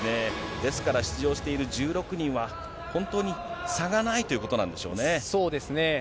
ですから出場している１６人は、本当に差がないということなんでそうですね。